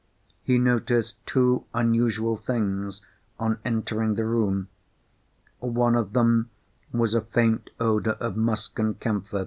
He noticed two unusual things on entering the room. One of them was a faint odour of musk and camphor.